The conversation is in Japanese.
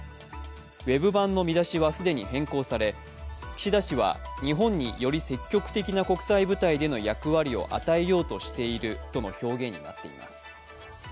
ウェブ版の見出しは既に変更され、岸田氏は日本により積極的な国際舞台での役割を与えようとしているとの表現になっています。